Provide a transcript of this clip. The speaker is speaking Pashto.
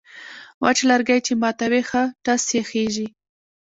وچ لرگی چې ماتوې، ښه ټس یې خېژي.